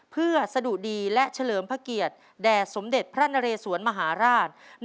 เพื่อสะดุดีและเฉลิมพระเกียรติแด่สมเด็จพระนเรสวนมหาราช